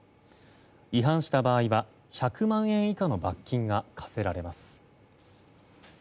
違反した場合は１００万円以下の罰金が科せられます。